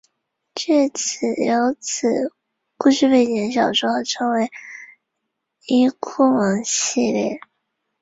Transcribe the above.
手焊则经常使用烙铁。